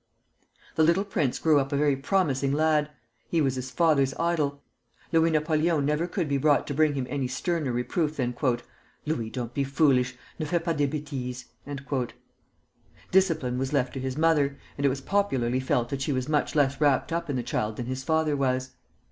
The little prince grew up a very promising lad. He was his father's idol. Louis Napoleon never could be brought to give him any sterner reproof than "Louis, don't be foolish, ne fais pas des bêtises." Discipline was left to his mother, and it was popularly thought that she was much less wrapped up in the child than his father was.